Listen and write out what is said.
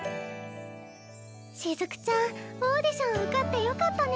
しずくちゃんオーディション受かってよかったね。